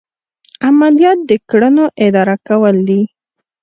عملیات د کړنو اداره کول دي.